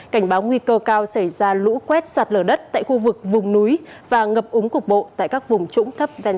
cảnh báo nguy cơ cao xảy ra lũ quét sạt lở đất tại khu vực vùng núi và ngập úng cục bộ tại các vùng trũng thấp ven sông